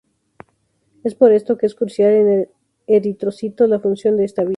Es por esto que es crucial en el eritrocito la función de esta vía.